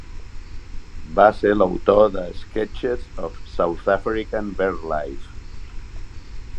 Va ser l'autor de "Sketches of South African Bird-Life".